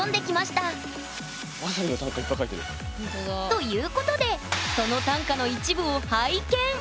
ということでその短歌の一部を拝見。